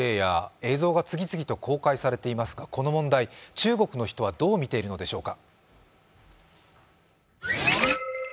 映像が次々と公開されていますが、この問題、中国の人はどう見ているのでしょうか？